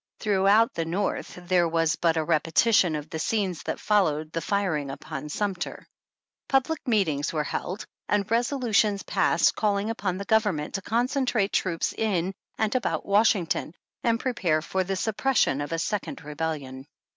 Throughout the North there was but a repetition of the scenes that followed the firing upon Sumter. Public meetings were held, and resolutions passed calling upon the Government to concentrate troops in and about Washington, and prepare for the sup pression of a second Rebellion.